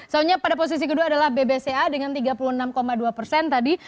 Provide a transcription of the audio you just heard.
soalnya pada posisi kedua adalah bbca dengan tiga puluh enam dua persen tadi